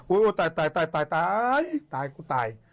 อุ้ยตายคุณตาย